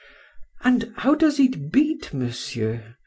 —And how does it beat, Monsieur?